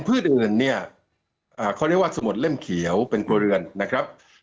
อื่นเนี่ยเขาเรียกว่าสมุดเล่มเขียวเป็นครัวเรือนนะครับ